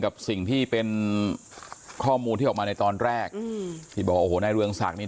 กับสิ่งที่เป็นข้อมูลที่ออกมาในตอนแรกอืมที่บอกโอ้โหนายเรืองศักดิ์